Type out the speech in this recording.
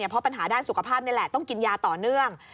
เพราะปัญหาด้านสุขภาพนี่แหละต้องกินยาต่อเนื่อง